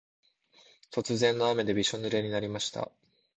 突然の雨でびしょぬれになりました。